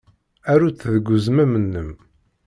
Aru-t deg uzmam-nnem.